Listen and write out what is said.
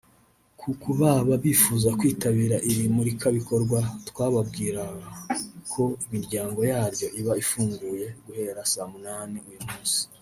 Ku kubaba bifuza kwitabira iri murikabikorwa twababwira ko imiryango yaryo iba ifunguye guhera saa munani uyu munsi